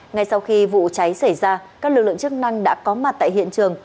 ngay sau khi vụ cháy xảy ra các lực lượng chức năng đã có mặt tại hiện trường